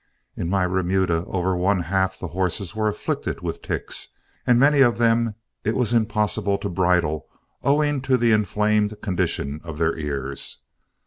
In my remuda over one half the horses were afflicted with ticks, and many of them it was impossible to bridle, owing to the inflamed condition of their ears.